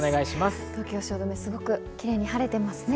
東京・汐留、すごくキレイに晴れてますね。